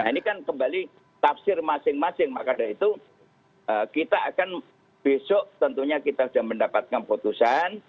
nah ini kan kembali tafsir masing masing maka dari itu kita akan besok tentunya kita sudah mendapatkan putusan